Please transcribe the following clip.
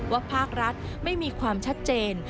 ภาครัฐไม่มีความชัดเจน